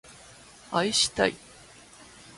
愛したい